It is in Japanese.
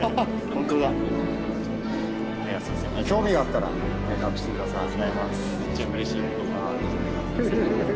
興味があったら連絡して下さい。